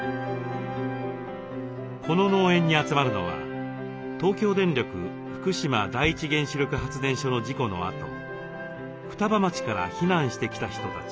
この農園に集まるのは東京電力福島第一原子力発電所の事故のあと双葉町から避難してきた人たち。